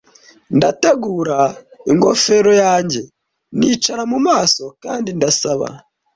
Ndategura ingofero yanjye, nicara mu maso, kandi ndasaba.